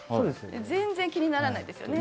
全然気にならないですよね。